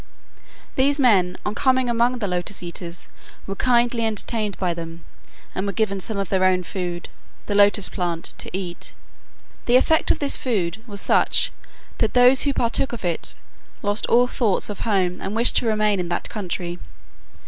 These men on coming among the Lotus eaters were kindly entertained by them, and were given some of their own food, the lotus plant, to eat. The effect of this food was such that those who partook of it lost all thoughts of home and wished to remain in that country.